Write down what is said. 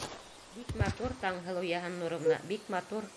Бик матур, Таңһылыу Йыһаннуровна, бик матур.